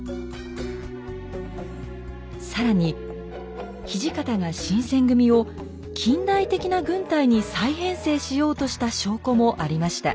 更に土方が新選組を近代的な軍隊に再編成しようとした証拠もありました。